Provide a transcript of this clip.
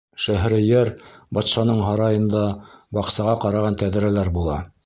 Шәһрейәр батшаның һарайында баҡсаға ҡараған тәҙрәләр була.